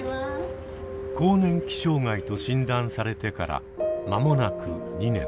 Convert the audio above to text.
更年期障害と診断されてから間もなく２年。